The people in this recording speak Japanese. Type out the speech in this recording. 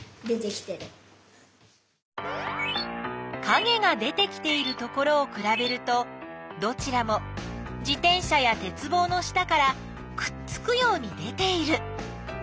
かげが出てきているところをくらべるとどちらも自転車やてつぼうの下からくっつくように出ている！